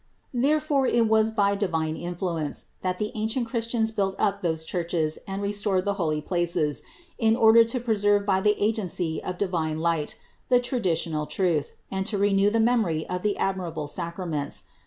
Therefore it was by divine influence, that the ancient Christians built up those churches and restored the holy places, in order to preserve by the agency of divine light the traditional truth and to renew the memory of the admirable sacra ments.